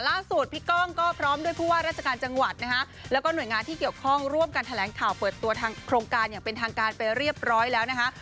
ล่าสุดพี่ก้องก็พร้อมด้วยผู้ว่าราชการจังหวัดนะคะแล้วก็หน่วยงานที่เกี่ยวข้องร่วมกันแถลงข่าวเปิดตัวทางโครงการอย่างเป็นทางการไปเรียบร้อยแล้วนะคะ